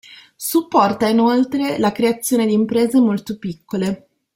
Supporta inoltre la creazione di imprese molto piccole.